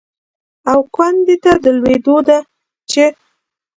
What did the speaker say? او کندې ته د لوېدو ده چې